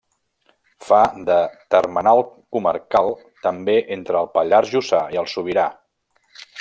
Fa de termenal comarcal també entre el Pallars Jussà i el Sobirà.